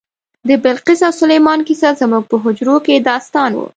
د بلقیس او سلیمان کیسه زموږ په حجرو کې داستان و.